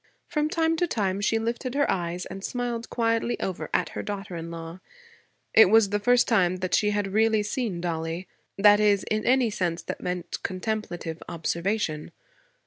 From time to time she lifted her eyes and smiled quietly over at her daughter in law. It was the first time that she had really seen Dollie, that is, in any sense that meant contemplative observation.